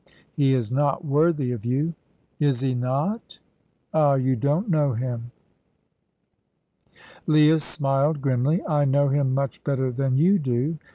"He is not worthy of you." "Is he not? ah, you don't know him." Leah smiled grimly. "I know him much better than you do.